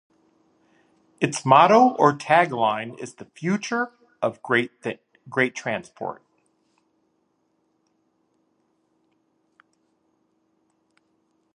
Its motto or tagline is 'The Future of Transport'.